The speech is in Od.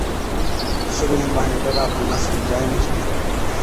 سِگڙين ٻاڙين ڏَرا کن ناسلين جائين هِلين چلين،